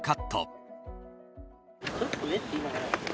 「ちょっとね」って言いながら。